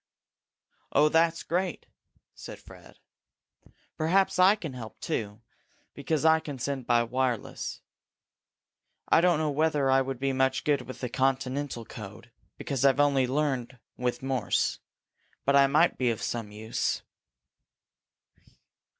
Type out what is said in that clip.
"Oh, that's great!" said Fred. "Perhaps I can help, too, because I can send by wireless. I don't know whether I would be much good with the Continental code, because I've learned only with Morse. But I might be of some use."